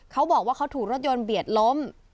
เขาบอกว่าเขาถูกรถยนต์เบียดล้ม